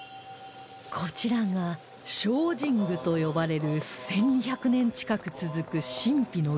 こちらが生身供と呼ばれる１２００年近く続く神秘の儀式